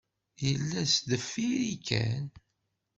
Yella sdeffir-i kan.